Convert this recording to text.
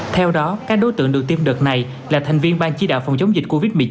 theo đó các đối tượng được tiêm đợt này là thành viên ban chỉ đạo phòng chống dịch covid một mươi chín